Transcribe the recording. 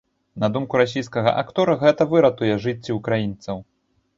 На думку расійскага актора, гэта выратуе жыцці ўкраінцаў.